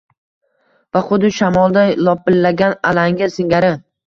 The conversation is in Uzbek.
va xuddi shamolda lopillagan alanga singari